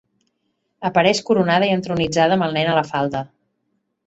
Apareix coronada i entronitzada amb el nen a la falda.